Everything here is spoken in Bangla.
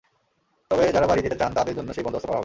তবে যারা বাড়ি যেতে চান, তাঁদের জন্য সেই বন্দোবস্ত করা হবে।